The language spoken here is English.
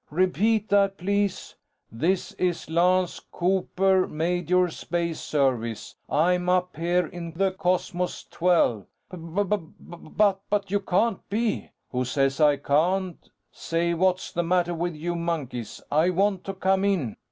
"Repeat that, please." "This is Lance Cooper, Major, Space Service. I'm up here in the Cosmos XII." "B b but you can't be." "Who says I can't. Say, what's the matter with you monkeys? I want to come in."